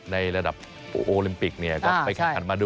ในระดับโอลิมปิกเนี่ยก็ไปแข่งขันมาด้วย